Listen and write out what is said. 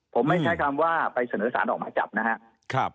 ผมไม่ใช้คำว่าไปเสนอสารออกหมายจับนะครับ